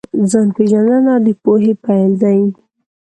ځان پېژندنه د پوهې پیل دی.